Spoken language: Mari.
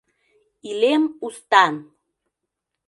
– Илем устан!